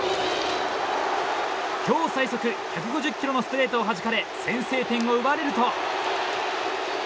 今日最速、１５０キロのストレートをはじかれ先制点を奪われると。